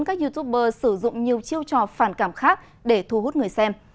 các youtuber sử dụng nhiều chiêu trò phản cảm khác để thu hút người xem